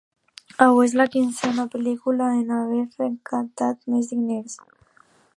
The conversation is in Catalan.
Avui és la quinzena pel·lícula en haver recaptat més diners.